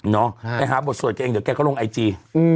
ไปหาบทสวดแกงเดี๋ยวแกก็ลงไอจี